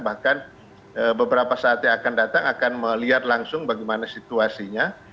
bahkan beberapa saat yang akan datang akan melihat langsung bagaimana situasinya